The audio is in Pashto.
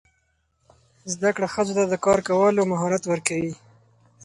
زده کړه ښځو ته د کار پیدا کولو مهارت ورکوي.